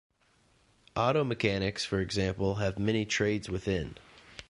Auto mechanics, for example, have many trades within.